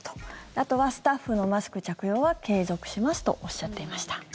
あとは、スタッフのマスク着用は継続しますとおっしゃっていました。